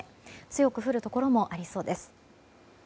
強く降るところもありそうです。